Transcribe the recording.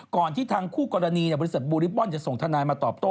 ที่ทางคู่กรณีบริษัทบูริบบอลจะส่งทนายมาตอบโต้